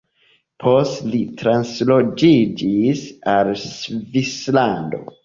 Post li transloĝiĝis al Svislando.